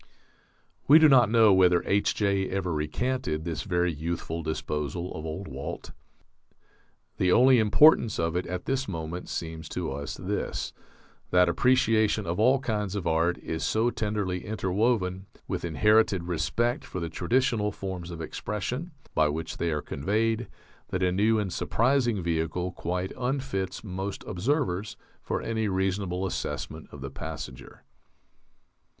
We do not know whether H.J. ever recanted this very youthful disposal of old Walt. The only importance of it at this moment seems to us this: that appreciation of all kinds of art is so tenderly interwoven with inherited respect for the traditional forms of expression by which they are conveyed that a new and surprising vehicle quite unfits most observers for any reasonable assessment of the passenger.